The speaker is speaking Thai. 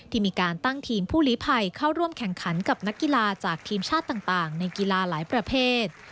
ที่มีการตั้งทีมผู้หลีภัยเข้าร่วมแข่งขันกับนักกีฬาจากทีมชาติต่างในกีฬาหลายประเภท